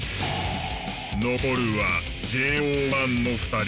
残るはＪＯ１の２人。